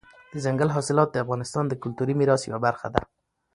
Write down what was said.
دځنګل حاصلات د افغانستان د کلتوري میراث یوه برخه ده.